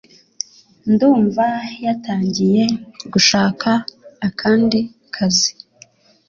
Ndumva yatangiye gushaka akandi kazi